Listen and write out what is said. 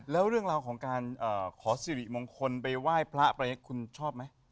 แล้วเรื่องราวของการขอสิริมงคลไปไหว้พระไปคุณชอบไหม